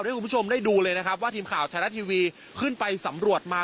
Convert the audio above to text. ให้คุณผู้ชมได้ดูเลยนะครับว่าทีมข่าวไทยรัฐทีวีขึ้นไปสำรวจมา